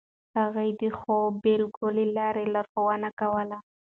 هغه د ښو بېلګو له لارې لارښوونه کوله.